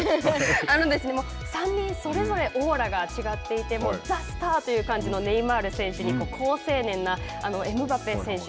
３人それぞれオーラが違っていてザ・スターという感じのネイマール選手に好青年なエムバペ選手